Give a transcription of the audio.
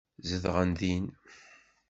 Zedɣen din.